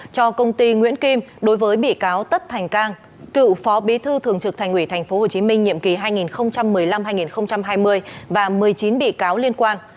cho công ty nguyễn kim đối với bị cáo tất thành cang cựu phó bí thư thường trực thành ủy tp hcm nhiệm kỳ hai nghìn một mươi năm hai nghìn hai mươi và một mươi chín bị cáo liên quan